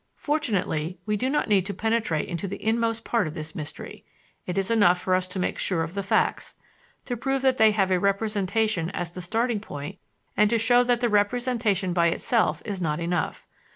Fortunately, we do not need to penetrate into the inmost part of this mystery. It is enough for us to make sure of the facts, to prove that they have a representation as the starting point, and to show that the representation by itself is not enough.